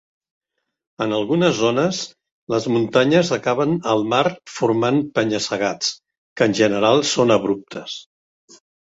En algunes zones les muntanyes acaben al mar formant penya-segats, que en general són abruptes.